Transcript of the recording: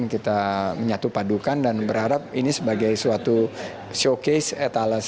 kita menyatu padukan dan berharap ini sebagai suatu showcase etalase